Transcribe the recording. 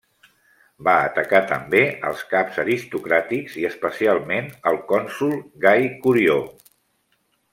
Va atacar també als caps aristocràtics i especialment al cònsol Gai Curió.